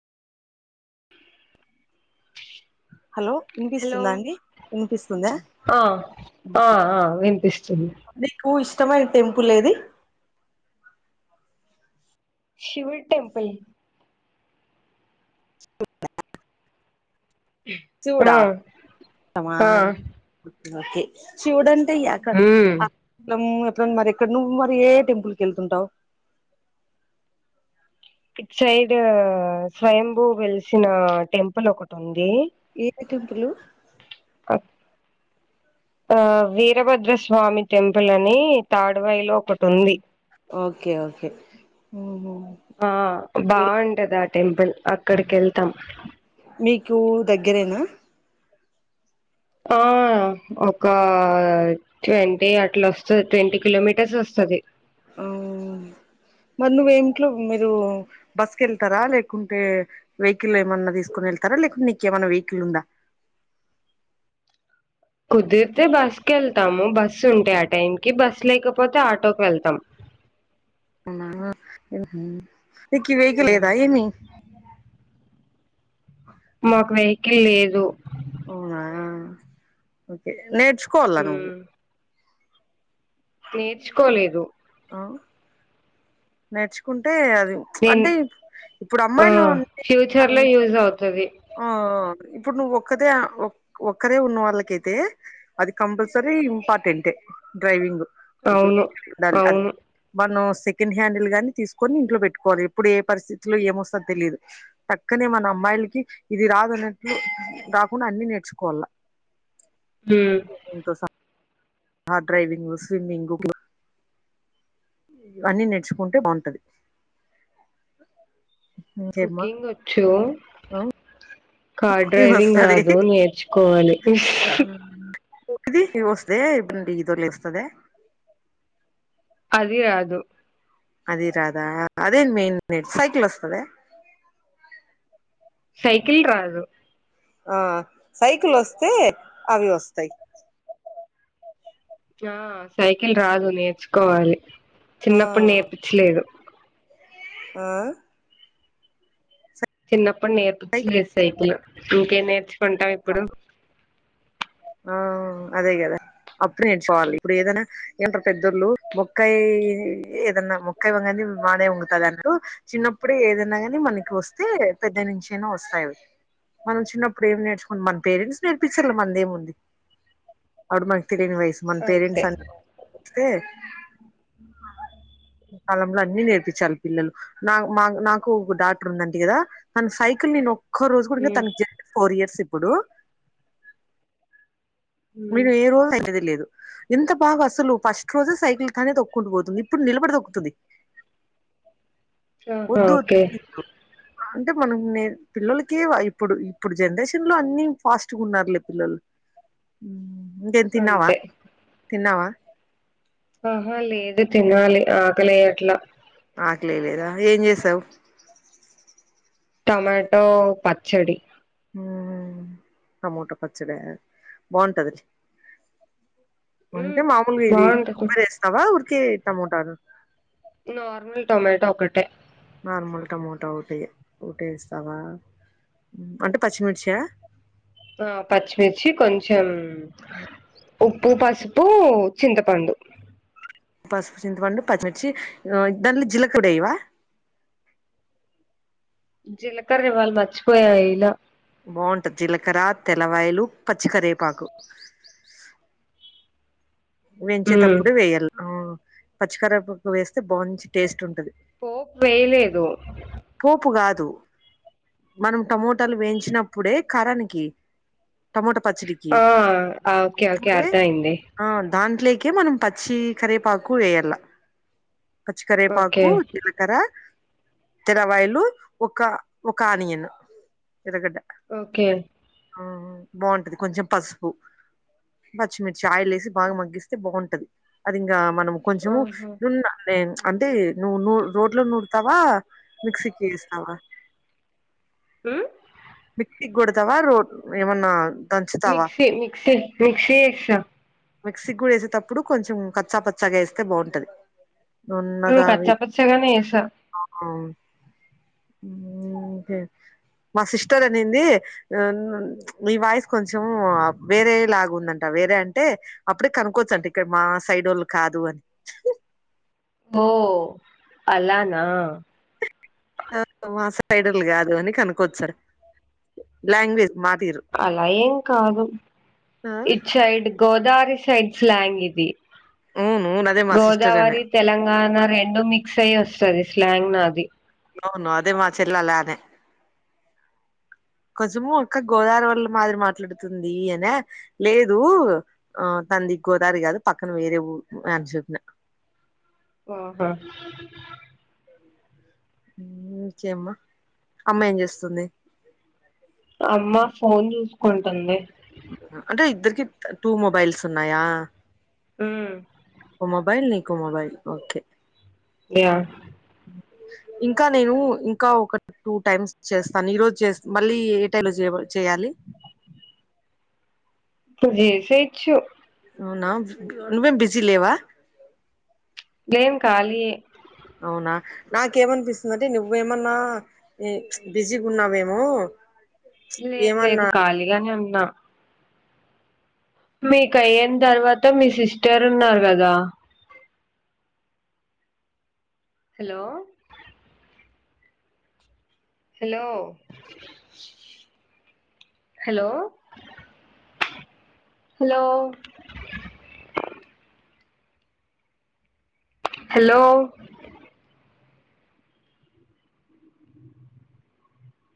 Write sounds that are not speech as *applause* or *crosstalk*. Hello hello వినిపిస్తుందా అండి వినిపిస్తుంద ఆ ఆ *unintelligible* ఆ వినిపిస్తుంది మరి టెంపుల్ ఎది శివుడి టెంపల్ *unintelligible* ఆ శివుడా ఇష్టమా ఆ ఓకే శివుడన్ *unintelligible* క్క ఉమ్ మ్ ఇ మరి ఎక్కడ నువ్వు మరి ఏ టెంపుల్ క వెళ్తుంటావు ఇ సైడ్ స్వయంభూ వెలిసిన టెంపుల్ ఒకటి ఉంది ఏ టంపులు ఆ వీరభద్రస్వామి టెంపుల్ అని తాడువాయలో ఒకటి ఉంది ఓకే ఓకే ఆ బాగుంటది అది టెంపుల్ అక్కడికి వెళ్తాం మీకు దగ్గరేనా ఆ ఒక ట్వంటీ అట్లా వస్తుది ట్వంటీ కిలోమీటర్స్ వస్తుది ఆ మరి నువ్వ ఏమిట్లో మీరు బస్ క వెళ్తారా లేకుంటే వెహికల్ ఏమన్నా తీసుకుని వెళ్తారా లేకుంట నీక ఏమన్నా వెహికల్ ఉందా. కుదిరితే బస్సు క వెళ్తాము బస్సు ఉంటా ఆ టైం కి బస్ లేకపోతే ఆటోకి వెళ్తాం. నకి వెహిక ఉమ్ లేదా ఏమ మాకు వెహికల్ లేదు అవునాఓకే నే ఆ నేర్చుకోలేదు ఆ నేర్చుకుంటే అది నేను అంటే ఇప్పుడు ఆ అమ్మాయిలు ఉంటే ఫ్యూచర్ లో అన్ని యూజ్ అవుతుది ఆ ఇప్పుడు నువ్ ఒక్కదే ఒక్కరే ఉన్న వాళ్ళకైతే అది కంపల్సరీ ఇంపార్టెంట్ డ్రైవింగ్. అవును ఉండాలి అది అవును మనం సెకండ్ హ్యాండ్లు గాని తీసుకొని ఇంట్లో పెట్టుకోవాలి ఎప్పుడు ఏ పరిస్థితిలో ఏమొస్తో తెలిదు పక్కనే మన అమ్మాయిలకి. ఇది రాదు అన్నట్లు రాకుండా అన్ని నేర్చుకోవాల హ హార్ డ్రైవింగ్ స్విమ్మింగ్ ఇవన్నీ నేర్చుకుంటే బాగుంటది. ఇంకేమ్మా కుకింగ్ వచ్చు ఆ కార్ కుకింగ్ డ్రైవింగ్ వస్తది రాదు నేర్చుకోవాలి. ఇది వస్తదే ఇబ్ండి ఇల ఇస్తద అది అదు అది రాధా అదేన్ మెయిన్ న సైక్ల్ వస్తద. సైకిల్ రాదు ఆ సైకిల్ వస్తే అవి వస్తాయి. ఆ సైకిల్ రాదు నేర్చుకోవాలి ఆ చిన్నప్పుడు నేర్పించలేదు. ఆ చిన్న అప్పుడు నేర్పుచ్చలే సైకుల ఇంకేం నేర్చుకుంటాం ఇప్పుడు ఆ అదే కదా అప్పుడు నేర్చుకోవాలి ఇప్పుడు ఏదైనా ఏంటారు పెద్దళ్లు మొక్కయి ఏదన్నా మొక్కయ వని మానే వంగతంది అంటూ చిన్నప్పుడే ఏదన్నా కాని మనకి వస్తే పెద్ద నుంచయినా వస్తాయి మనం చిన్నప్పుడు ఏం నేర్చుకుంటం మన పేరెంట్స్ నేర్పించలే మన ఏం ఉంది. అడ మై తిలిని వయసు మన అంతే పేరెంట్స్ అం ే కాలంలో అన్ని నేర్పించాలి పిల్లలు నా మా నాకు ఒక డాక్టర్ ఉందంటే కదా తను సైకిల్ *unintelligible* రోజుకా త మ్మ్ ఫోర్ ఇయర్స్ ఇం ఇప్పుడు మ్మ్ మీరు ఏ రోజు అయినది లేదు ఎంత బాగా అసలు ఫస్ట్ రోజే సైకిల్ తనే తొక్కుంటూ పోతుంది ఇప్పుడు నిలబడి తొక్కుతది ఆహా ఓకే అంటే మనం నే పిల్లలక ఇప్పుడు ఇప్పుడు జనరేషన్ లో అన్ని ఫాస్ట్గా ఉన్నారులే పిల్లలు ఇేన్ తిన్నావా అంతే తిన్నావా ఆహా లేదు తినాలి ఆకలేయట్లా ఆకలెయ్ లేదా ఏం చేసావు టమాటో పచ్చడి ఊ టమోటా పచ్చడా బావుంటది ఉంటే మ్మ్ మాములుగా ఇది బాగుంటది కొబ్బరు వేస్తావా కే టమోటాలు నార్మల్ టొమాటో ఒక్కటే నార్మల్ టమోటా ఓటే ఓటేస్తావా ఊ అంటే పచ్చిమిర్చా ఆ పచ్చిమిర్చి కొంచెం ఉప్పు పసుపు చింతపండు పసుపు చింతపండు పచ్చిమిర్చి దాలీ జీలకుడి ఎయ్ వా జిలకర ఇవళ మర్చిపోయా ఎయ్లా బావుంటది జీలకర తెల్లవాయలు పచ్చి కరేపాకు ఉమ్ వేంచేతప్పుడు వెయ్యాల్ ఆ పచ్చికరేపాకు వేస్తే బాంచి టేస్ట్ ఉంటది పోపు వెయ్యలేదు పోపు కాదు మనం టమోటాలు వేయించినప్పుడే కారానికి టమోటా పచ్చడికి ఆ ఓకే ఓకే అర్థం అయ్యింది దాంట్లోకి మనం పచ్చి కరేపాకు వెయ్యాల పచ్చి ఓకే కరేపాకు జిలకర తెల్లవాయిలు ఒక్క ఒక ఆనియన్ ఎర్రగడ్డ ఓకే ఆ బాగుంటది కొంచెం పసుపు పచ్చిమిర్చి ఆయిల్ వేసి బాగా మగ్గిస్తే బాగుంటది. అది ఇంగా మనం కొంచెము ఆహా ఉన్నా లేదు అంటే నువ్వు నూ రోట్లో నూరుతావా మిక్సీకి వేస్తావా హ్మ్ క్సికి కొడతావా రోట్ ఏమన్నా దంచుతావా మిక్సి మిక్సి మిక్స ఎస్తే మిక్సిక్ కూడాడ వేసేటప్పుడు కొంచెం కచ్చాపచ్చాగా వేస్తే బాగుంటది. కచ పచగానీ ఎస కే మా సిస్టర్ అనింది న వాయిస్ కొంచెం వేరే లాగా ఉందంట వేరే అంటే అప్పుడే కనుక్కవచ్చంట ఇక్కడ మా సైడ్ వాళ్ళు కాదు అని హొ అలానా మా సైడోలు కాదు అని కనుకోవచ్చ సార్ లాంగ్వేజ్. మా తీరు అలా ఏం కాదు ఆ! It side Godari. Side slang ఇది అవును అదే మా సిస్టర్ అనే గోదావరి తెలంగాణ రెం మిక్స్ అయ్యి వస్తుంది. సది స్లాంగ్ నా అది అవును అదే మా చెల్లలా అనే కొంచెము అక్క గోదారి వాల్ల మాదిరి మాట్లాడుతుంది అనే లేదు ఆ తంది గోదారి కాదు పక్కన వేరే ఊ అని చెప్పిన. ఆహా కే అమ్మా అమ్మా ఏం చేస్తుంది. అమ్మ ఫోన్ చూసుకుంటుంది. అంటే ఇద్దరికి టూ మొబైల్స్ ఉన్నాయా. ఉమ్ ఒక మొబైల్ న మొబైల్ ఓకే యా ఇంకా నేను ఇంకా ఒక టూ టైమ్స్ చేస్తాను ఈరోజు చే మళ్ళీ ఏ టైలో చేయాలి. జేసేయిచ్చు అవునా నువ్వేం బిజి లేవా లేం కాలీ ఏ అవునా నాకేమనిపిస్తుందింటే నువ్వేమన్నా బిజీగా ఉన్నావేమో. లేదు లేదు ఏమన్నా ఖాళీగానే ఉంది నా మీకు అయన తర్వాత మీ సిస్టర్ ఉన్నారు కదా hello hello hello hello hello